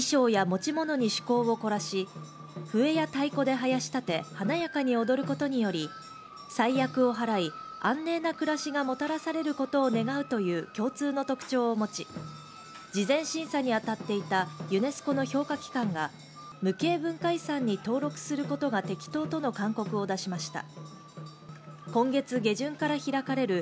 衣装や持ち物に趣向を凝らし、笛や太鼓で、はやし立て、華やかに踊ることにより、災厄をはらい、安寧な暮らしがもたらされることを願うという共通の特徴を持ち、事前審査にあたっていたユネスコの評価機関が無形文化遺産に登録することが適当との勧告を出しました。